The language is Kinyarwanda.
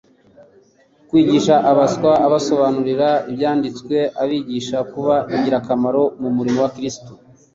kwigisha abaswa abasobanurira Ibyanditswe abigisha kuba ingirakamaro mu murimo wa Kristo.